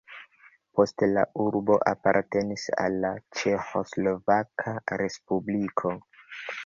Poste la urbo apartenis al Ĉeĥoslovaka respubliko.